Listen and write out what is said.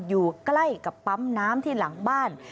อยู่ใกล้กับปั๊มน้ำที่หลังบ้าน